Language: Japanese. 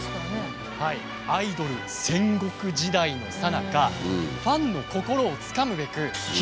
アイドル戦国時代のさなかファンの心をつかむべく何？